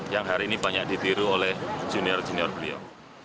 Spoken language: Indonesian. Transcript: yang hari ini banyak ditiru oleh junior junior beliau